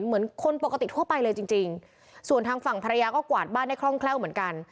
เหมือนคนปกติทั่วไปเลยจริงจริงส่วนทางฝั่งภรรยาก็กวาดบ้านได้คล่องแคล่วเหมือนกัน